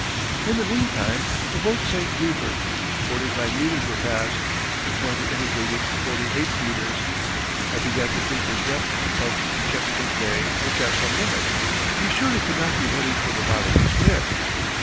In the meantime the boat sank deeper; forty five meters were passed the pointer indicated forty eight meters. I began to think the depth of the Chesapeake Bay must have some limit; we surely could not be heading for the bottomless pit?